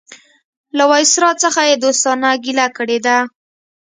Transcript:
له وایسرا څخه یې دوستانه ګیله کړې ده.